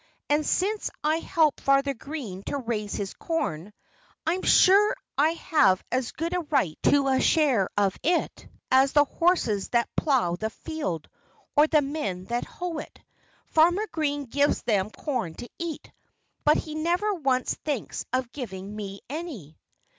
And since I help Farmer Green to raise his corn, I'm sure I have as good a right to a share of it as the horses that plough the field, or the men that hoe it. Farmer Green gives them corn to eat. But he never once thinks of giving me any."